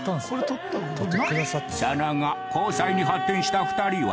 その後交際に発展した２人は